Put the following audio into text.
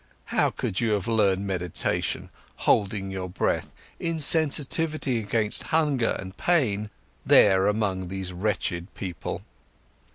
How could you have learned meditation, holding your breath, insensitivity against hunger and pain there among these wretched people?"